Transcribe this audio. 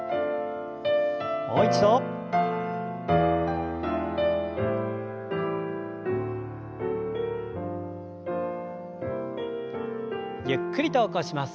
もう一度。ゆっくりと起こします。